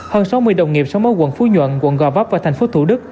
hơn sáu mươi đồng nghiệp sống ở quận phú nhuận quận gò vấp và thành phố thủ đức